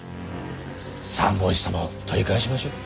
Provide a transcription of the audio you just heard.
三法師様を取り返しましょう。